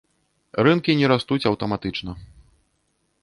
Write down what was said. Рынкі не растуць аўтаматычна.